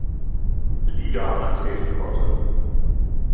Liga antreten konnte.